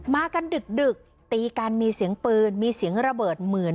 มากันดึกตีกันมีเสียงปืนมีเสียงระเบิดเหมือน